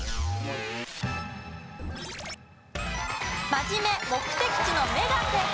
真面目目的地の「目」が正解。